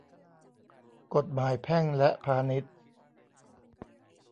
กฎหมายแพ่งและพาณิชย์